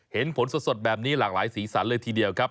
เห็นผลสดแบบนี้หลากหลายสีสันเลยทีเดียวครับ